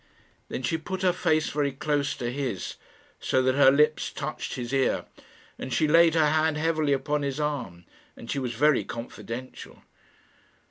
Then she put her face very close to his, so that her lips touched his ear, and she laid her hand heavily upon his arm, and she was very confidential.